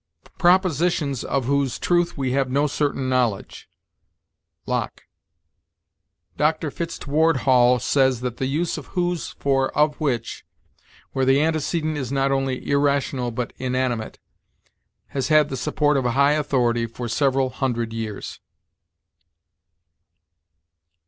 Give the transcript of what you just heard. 'Propositions of whose truth we have no certain knowledge.' Locke." Dr. Fitzedward Hall says that the use of whose for of which, where the antecedent is not only irrational but inanimate, has had the support of high authority for several hundred years.